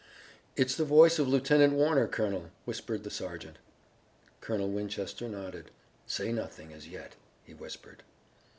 "It's the voice of Lieutenant Warner, colonel," whispered the sergeant. Colonel Winchester nodded. "Say nothing as yet," he whispered.